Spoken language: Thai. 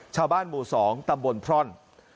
ชาวบ้านหมู่สองตับวนพร่อน